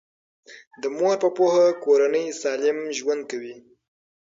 د مور په پوهه کورنۍ سالم ژوند کوي.